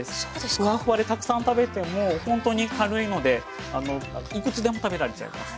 ふわふわでたくさん食べてもほんとに軽いのでいくつでも食べられちゃいます。